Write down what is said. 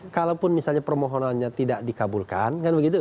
kalaupun misalnya permohonannya tidak dikabulkan